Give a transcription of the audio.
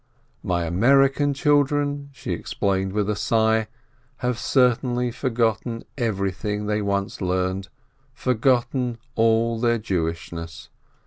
"My American children" — she explained with a sigh — "have certainly forgotten everything they once learned, for gotten all their Jewishness!